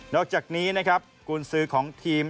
อกจากนี้นะครับกุญสือของทีม